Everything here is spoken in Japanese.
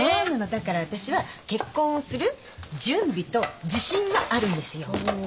だから私は結婚をする準備と自信はあるんですよ。